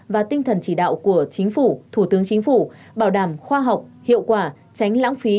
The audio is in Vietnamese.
và tinh thần chỉ đạo của chính phủ thủ tướng chính phủ bảo đảm khoa học hiệu quả tránh lãng phí